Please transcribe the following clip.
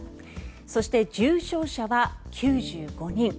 そして、重症者は９５人。